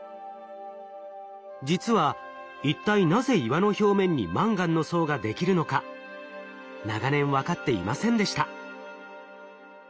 実は一体なぜ岩の表面にマンガンの層ができるのか長年分かっていませんでした。